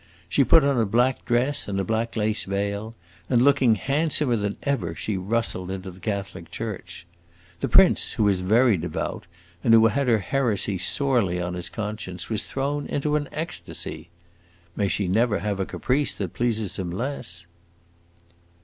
She put on a black dress and a black lace veil, and looking handsomer than ever she rustled into the Catholic church. The prince, who is very devout, and who had her heresy sorely on his conscience, was thrown into an ecstasy. May she never have a caprice that pleases him less!"